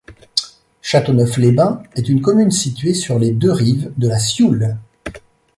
Châteauneuf-les-Bains est une commune située sur les deux rives de la Sioule.